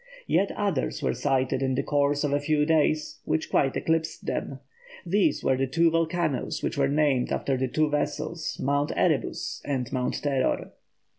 Yet others were sighted in the course of a few days which quite eclipsed them. These were the two volcanoes which were named after the two vessels, Mount Erebus and Mount Terror.